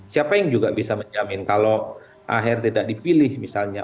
siapa yang juga bisa menjamin kalau aher tidak dipilih misalnya